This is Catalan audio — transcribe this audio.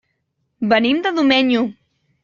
Venim de Domenyo.